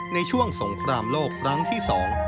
ในช่วงสงครามโลกครั้งที่สอง